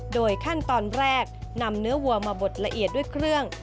โดยขั้นตอนแรกนำเนื้อวัวมาบดละเอียดด้วยเครื่อง